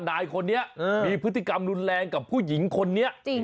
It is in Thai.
นายคนนี้มีพฤติกรรมรุนแรงกับผู้หญิงคนนี้